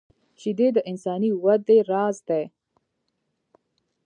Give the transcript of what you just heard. شیدې د انساني وده راز دي